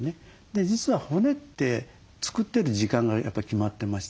実は骨って作ってる時間がやっぱり決まってまして。